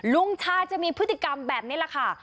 ลุงชาจะมีพฤติกรรมแบบนี้แหละค่ะ